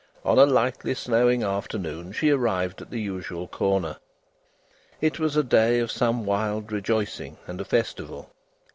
On a lightly snowing afternoon she arrived at the usual corner. It was a day of some wild rejoicing, and a festival.